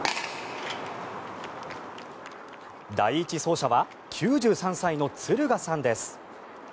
第１走者は９３歳の敦賀さんです。